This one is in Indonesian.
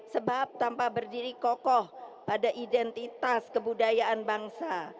sebab tanpa berdiri kokoh pada identitas kebudayaan bangsa